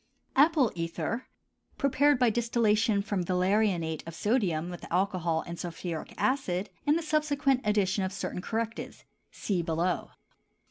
APPLE ETHER, prepared by distillation from valerianate of sodium with alcohol and sulphuric acid, and the subsequent addition of certain correctives (see below).